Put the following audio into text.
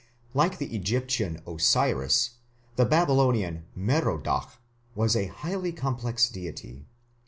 Like the Egyptian Osiris, the Babylonian Merodach was a highly complex deity.